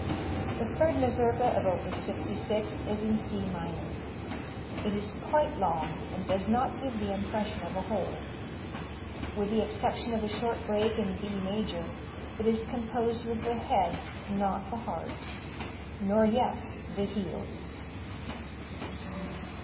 The third Mazurka of op. 56 is in C minor. It is quite long and does not give the impression of a whole. With the exception of a short break in B major, it is composed with the head, not the heart, nor yet the heels.